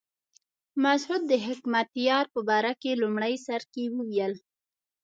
مسعود د حکمتیار په باره کې په لومړي سر کې وویل.